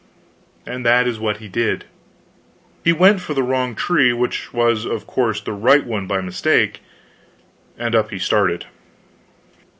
And that is what he did. He went for the wrong tree, which was, of course, the right one by mistake, and up he started.